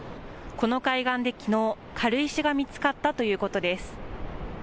この海岸できのう、軽石が見つかったということです。